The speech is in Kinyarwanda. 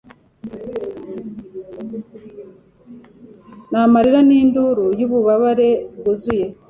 n'amarira n'induru y'ububabare bwuzuye